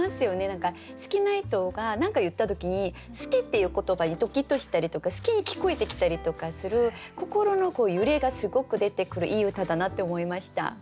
何か好きな人が何か言った時に「好き」っていう言葉にドキッとしたりとか「好き」に聞こえてきたりとかする心の揺れがすごく出てくるいい歌だなって思いました。